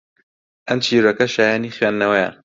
ئەم چیرۆکە شایەنی خوێندنەوەیە